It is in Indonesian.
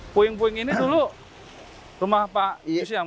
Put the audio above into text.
puing puing ini dulu rumah pak yusyam